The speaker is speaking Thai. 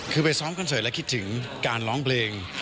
คือไปซ้อมคอนเสิร์ตแล้วคิดถึงการร้องเพลง